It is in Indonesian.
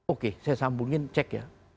oke saya sambungin cek ya